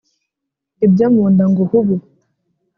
ibyo mu nda ngo hubu